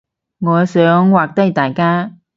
我想畫低大家